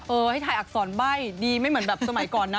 เออให้ไทยอักษรใบ้ดีไม่เหมือนสมัยก่อนนะ